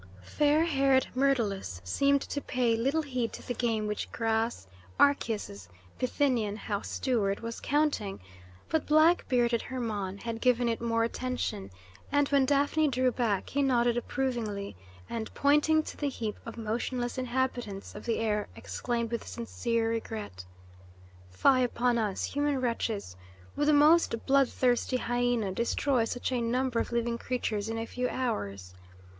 Fair haired Myrtilus seemed to pay little heed to the game which Gras, Archias's Bithynian house steward, was counting, but black bearded Hermon had given it more attention, and when Daphne drew back he nodded approvingly, and pointing to the heap of motionless inhabitants of the air, exclaimed with sincere regret: "Fie upon us human wretches! Would the most bloodthirsty hyena destroy such a number of living creatures in a few hours?